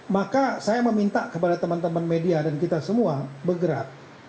maka saya meminta kepada teman teman media dan kita semua bergerak